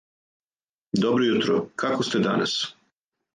Добро јутро, како сте данас?